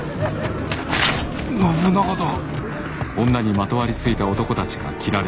信長だ。